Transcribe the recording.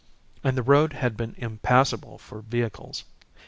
And the road had been impassable for vehicles.